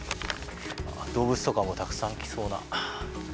動物とかもたくさん来そうな。